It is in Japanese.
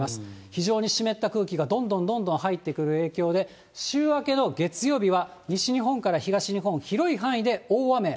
非常に湿った空気がどんどんどんどん入ってくる影響で、週明けの月曜日は西日本から東日本、広い範囲で大雨。